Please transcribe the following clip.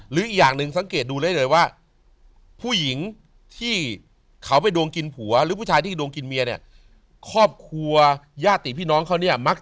หรืออีกอย่างหนึ่งสังเกตดูเลยเลยว่า